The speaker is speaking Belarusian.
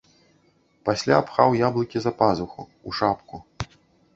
Пасля пхаў яблыкі за пазуху, у шапку.